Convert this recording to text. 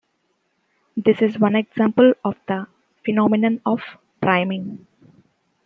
This is one example of the phenomenon of priming.